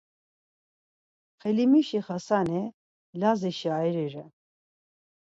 Helimişi Xasani Lazi şairi ren.